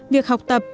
việc học tập